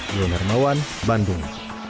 yon hermawan bandung